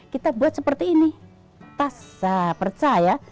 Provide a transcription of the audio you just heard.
kita buat seperti ini tas perca ya